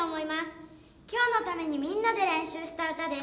今日のためにみんなで練習した歌です。